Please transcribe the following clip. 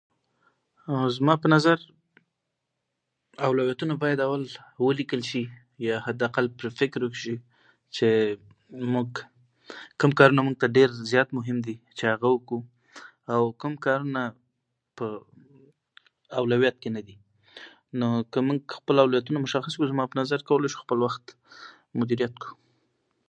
زما په نظر، اولویتونه باید اول ولیکل شي، یا حداقل پرې فکر وشي، چې موږ کوم کارونه، موږ ته ډېر زیات مهم دي، چې هغه وکړو، او کوم کارونه په اولویت کې نه دي. نو که موږ خپل اولویتونه مشخص کړو، زما په نظر کولای شو خپل وخت مدیریت کړو.